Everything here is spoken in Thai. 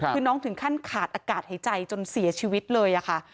คือน้องถึงขั้นขาดอากาศหายใจจนเสียชีวิตเลยค่ะ